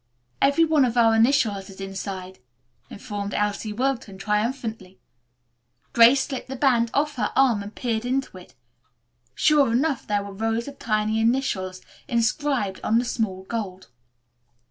"Every one of our initials is inside," informed Elsie Wilton triumphantly. Grace slipped the band off her arm and peered into it. Sure enough there were rows of tiny initials inscribed on the smooth gold.